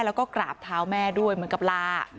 แล้วก็กราบเท้าแม่ด้วยเหมือนกับลา